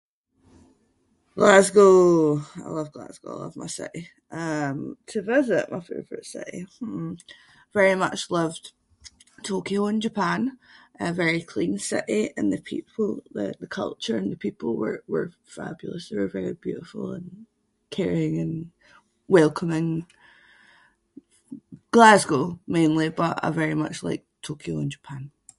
Glasgow! I love Glasgow. I love my city. Um to visit, my favourite city? Hmm, very much loved Tokyo in Japan- a very clean city, and the people- the- the culture and the people were- were fabulous. They were very beautiful and caring and welcoming. Glasgow, mainly, but I very much like Tokyo in Japan.